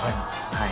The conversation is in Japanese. はい。